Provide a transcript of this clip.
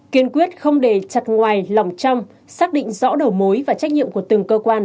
kiên quyết không để chặt ngoài lòng trong xác định rõ đầu mối và trách nhiệm của từng cơ quan